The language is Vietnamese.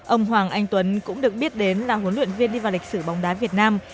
ông hoàng anh tuấn cũng được biết đến là huấn luyện viên đi vào lịch sử bóng đá việt nam